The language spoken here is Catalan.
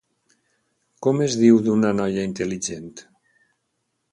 Com es diu d'una noia intel·ligent?